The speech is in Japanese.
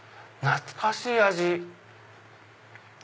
懐かしい味。